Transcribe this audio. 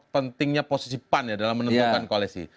pentingnya posisi pan ya dalam menentukan koalisi